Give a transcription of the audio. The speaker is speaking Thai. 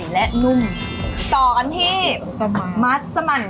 แล้วกันที่มาก